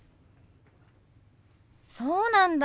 そうなんだ。